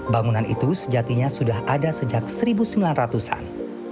bangunan itu sejatinya sudah ada sejak seribu sembilan ratus an